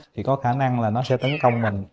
thì có khả năng là nó sẽ tấn công mình